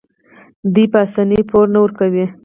دوی په اسانۍ پور نه ورکوي.